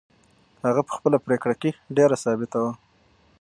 هغه په خپله پرېکړه کې ډېره ثابته وه.